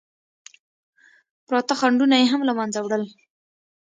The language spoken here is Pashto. پراته خنډونه یې هم له منځه وړل.